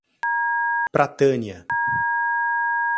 Pratânia